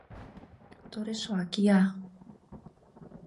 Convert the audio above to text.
Торешла кия...